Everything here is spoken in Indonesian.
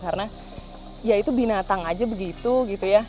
karena ya itu binatang aja begitu gitu ya